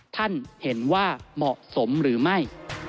ท่านเห็นว่าเหมาะสมหรือไม่